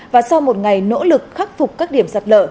và sau một ngày nỗ lực khắc phục các điểm sạt lở